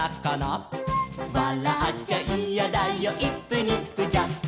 「わらっちゃいやだよイップニップジャンプ」